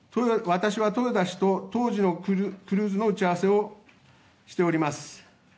私は豊田氏と当時のクルーズの打ち合わせをしております。